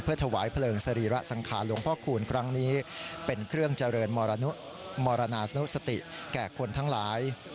ถวายเพลิงสรีระสังขารหลวงพ่อคูณครั้งนี้เป็นเครื่องเจริญมรณาสนุสติแก่คนทั้งหลาย